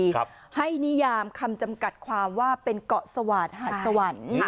ครับให้นิยามคำจำกัดความว่าเป็นเกาะสวาสตหัดสวรรค์